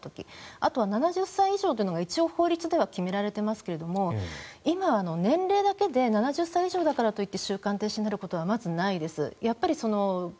あと、７０歳以上というのが一応法律では決められてますが今は年齢だけで７０歳以上だからといって収監停止になることはまずないです。